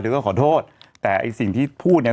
แล้วก็ขอโทษแต่ไอ้สิ่งที่พูดเนี่ย